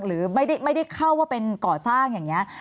หรือไม่ได้เข้าว่าเป็นก่อสร้างอย่างนี้